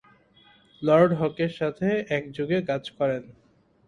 Lord হকের সাথে একযোগে কাজ করেন।